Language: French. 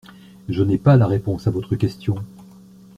Je n’ai pas la réponse à votre question.